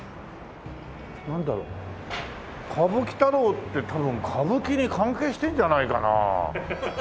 「歌舞伎太郎」って多分歌舞伎に関係してんじゃないかな。